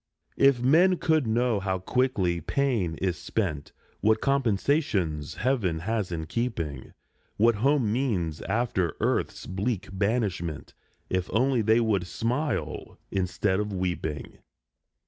" If men could know how quickly pain is spent, What compensations heaven has in keeping, What home means after earth's bleak banishment, If only they would smile instead of weeping."